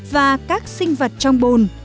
và các sinh vật trong bồn